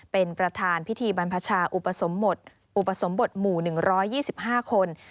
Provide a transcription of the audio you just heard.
เป็นประธานพิธีบรรพชาอุปสมบทอุปสมบทหมู่๑๒๕คน